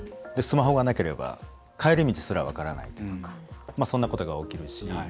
スマホがなければ帰り道さえ分からないってことが起きるし。